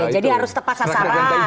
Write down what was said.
jadi harus tepat sasaran